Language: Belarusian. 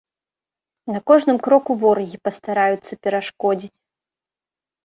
На кожным кроку ворагі пастараюцца перашкодзіць.